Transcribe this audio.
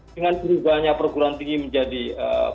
dengan berubahnya perguruan tinggi menjadi perguruan tinggi